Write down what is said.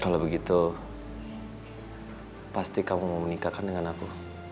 kalau begitu pasti kamu mau menikahkan dengan aku